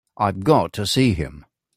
I've got to see him.